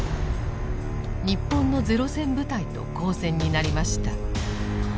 日本の零戦部隊と交戦になりました。